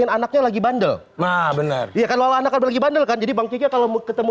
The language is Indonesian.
pengen anaknya lagi bandel nah benar dia kalau anaknya bergibana kan jadi bang kiki kalau ketemu